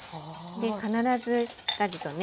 必ずしっかりとね